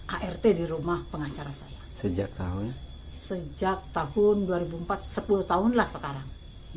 art di rumah pengacara saya sejak tahun dua ribu empat sepuluh tahun lah sekarang